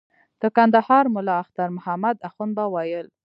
د کندهار ملا اختر محمد اخند به ویل.